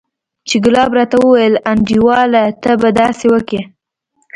چې ګلاب راته وويل انډيواله ته به داسې وکې.